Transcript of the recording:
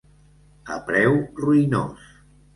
A preu ruïnós.